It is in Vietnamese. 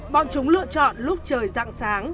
bọn chúng lựa chọn lúc trời rạng sáng